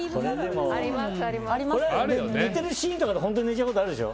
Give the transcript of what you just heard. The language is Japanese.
寝てるシーンとかで本当に寝ちゃうことあるでしょ。